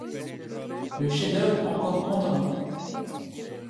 Le chef-d'oeuvre encore endormi !